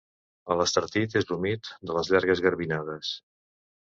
A l'Estartit és humit de les llargues garbinades.